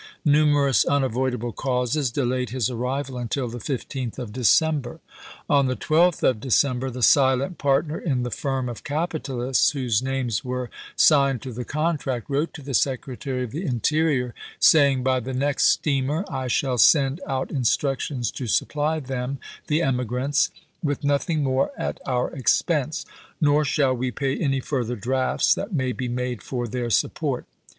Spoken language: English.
Numerous unavoid able causes delayed his arrival until the 15th of December. On the 12th of December, the silent partner in the firm of capitalists whose names were signed to the contract wrote to the Secretary of the Interior, saying: "By the next steamer I shall send out instructions to supply them [the emigrants] COLONIZATION 365 with notliing more at our expense ; nor shall we ch. xvii. pay any further drafts that may be made for their support."